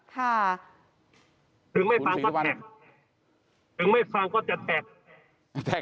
คุณศรีสะวัลถึงไม่ฟังก็จะแตก